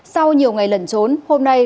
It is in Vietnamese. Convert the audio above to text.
sau nhiều ngày lẩn trốn hôm nay